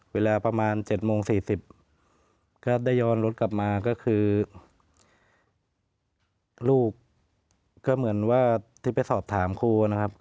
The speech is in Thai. เวลาประมาณ๗โมง๔๐ก็ได้ย้อนรถกลับมาก็คือลูกก็เหมือนว่าที่ไปสอบถามครูนะครับ